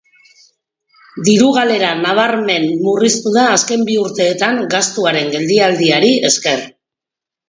Diru-galera nabarmen murriztu da azken bi urteetan gastuaren geldialdiari esker.